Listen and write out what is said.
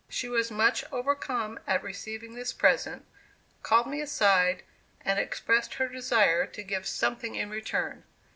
She was much overcome at receiving this present, called me aside, and expressed her desire to give something in return.